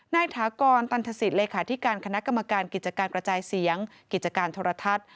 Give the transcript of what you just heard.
ถากรตันทศิษย์เลขาธิการคณะกรรมการกิจการกระจายเสียงกิจการโทรทัศน์